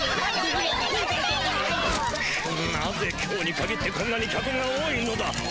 くっなぜ今日にかぎってこんなに客が多いのだ。